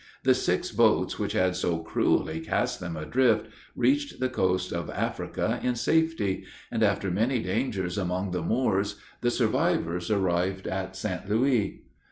The six boats which had so cruelly cast them adrift, reached the coast of Africa in safety; and after many dangers among the Moors, the survivors arrived at St. Louis.